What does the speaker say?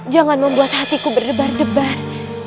jangan membuat hatiku berdebar debar